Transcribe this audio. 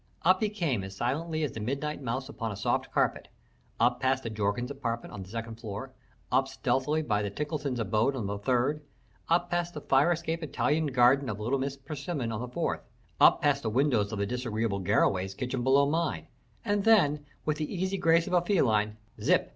Up he came as silently as the midnight mouse upon a soft carpet up past the Jorkins apartments on the second floor; up stealthily by the Tinkletons' abode on the third; up past the fire escape Italian garden of little Mrs. Persimmon on the fourth; up past the windows of the disagreeable Garraways' kitchen below mine, and then, with the easy grace of a feline, zip!